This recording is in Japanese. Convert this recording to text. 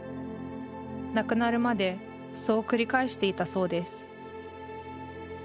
亡くなるまでそう繰り返していたそうです